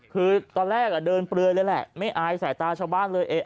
คือตอนแรกเดินเปลือยเลยแหละไม่อายสายตาชาวบ้านเลย